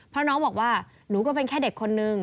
เพราะน้องบอกว่าหนูก็เป็นแค่เด็กคนนึง